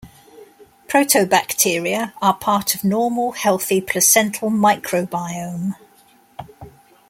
Protobacteria are part of normal, healthy placental microbiome.